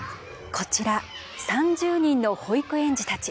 こちら３０人の保育園児たち。